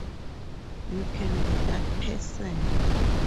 You can be that person.